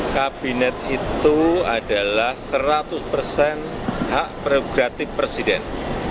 kabinet itu adalah seratus hak progratif presiden